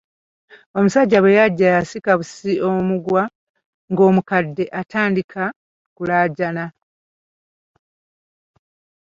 Omusajja bwe yajja yasika busisi muguwa ng’omukadde atandika kulaajana.